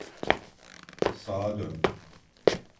Sağa dön!